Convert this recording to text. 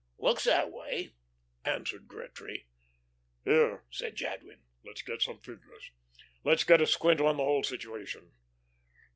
"Looks that way," answered Gretry. "Here," said Jadwin, "let's get some figures. Let's get a squint on the whole situation.